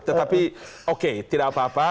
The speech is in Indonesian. tetapi oke tidak apa apa